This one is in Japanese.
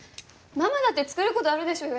ママだって作る事あるでしょ！